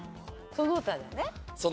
その他で。